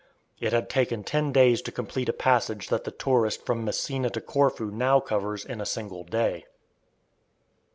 It had taken ten days to complete a passage that the tourist from Messina to Corfu now covers in a single day.